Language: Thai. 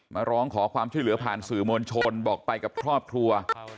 มาร้องขอความช่วยเหลือผ่านสื่อมวลชนบอกไปกับครอบครัว